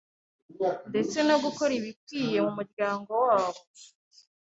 ndetse no gukora ibikwiye mu muryango wabo.